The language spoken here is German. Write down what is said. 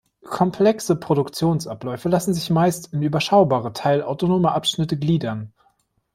Komplexe Produktionsabläufe lassen sich meist in überschaubare, teilautonome Abschnitte gliedern.